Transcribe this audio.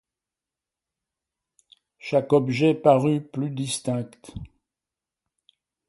Chaque objet parut plus distinct.